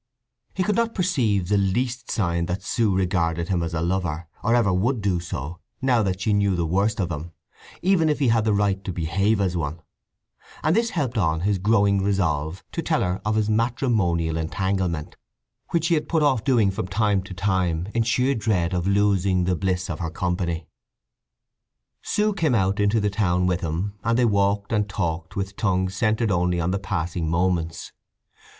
He could not perceive the least sign that Sue regarded him as a lover, or ever would do so, now that she knew the worst of him, even if he had the right to behave as one; and this helped on his growing resolve to tell her of his matrimonial entanglement, which he had put off doing from time to time in sheer dread of losing the bliss of her company. Sue came out into the town with him, and they walked and talked with tongues centred only on the passing moments.